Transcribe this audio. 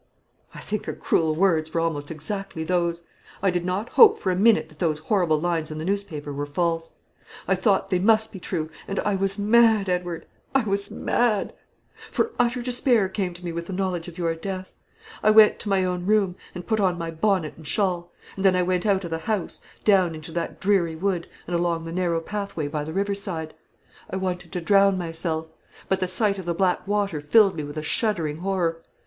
"I think her cruel words were almost exactly those. I did not hope for a minute that those horrible lines in the newspaper were false. I thought they must be true, and I was mad, Edward I was mad; for utter despair came to me with the knowledge of your death. I went to my own room, and put on my bonnet and shawl; and then I went out of the house, down into that dreary wood, and along the narrow pathway by the river side. I wanted to drown myself; but the sight of the black water filled me with a shuddering horror.